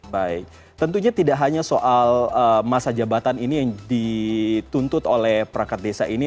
baik tentunya tidak hanya soal masa jabatan ini yang dituntut oleh perangkat desa ini